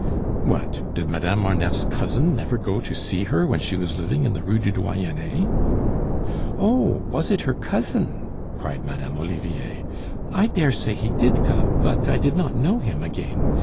"What! Did Madame Marneffe's cousin never go to see her when she was living in the Rue du Doyenne?" "Oh! Was it her cousin?" cried Madame Olivier. "I dare say he did come, but I did not know him again.